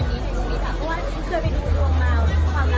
เคยไม่กลัวเมื่อรอว่า